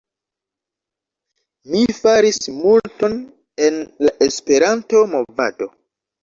Mi faris multon en la Esperanto-movado